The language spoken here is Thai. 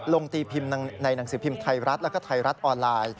ตีพิมพ์ในหนังสือพิมพ์ไทยรัฐแล้วก็ไทยรัฐออนไลน์